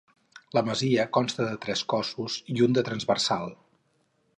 La masia consta de tres cossos i un de transversal.